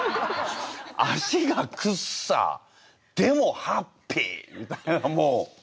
「足がくっさーでもハッピー」みたいなもう。